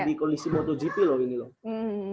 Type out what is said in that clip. di kondisi motogp loh ini loh